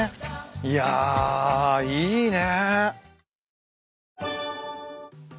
いやいいね。